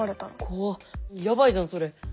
怖っやばいじゃんそれ。